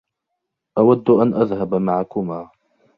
أودّ أن أذهب معكما.